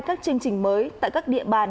các chương trình mới tại các địa bàn